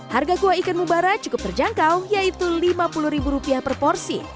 harga kuah ikan mubara cukup terjangkau yaitu rp lima puluh ribu rupiah per porsi